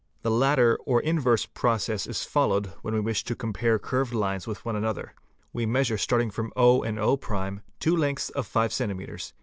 The latter or inverse process is followed when we wish to — compare curved lines with one another; we measure starting from o and — o', two lengths of 5 ems.